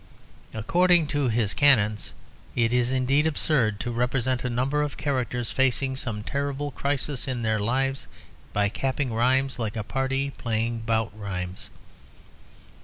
According to his canons, it is indeed absurd to represent a number of characters facing some terrible crisis in their lives by capping rhymes like a party playing bouts rimés.